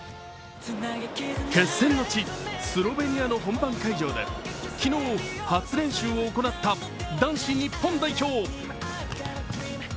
決戦の地・スロベニアの本番会場で昨日、初練習を行った男子日本代表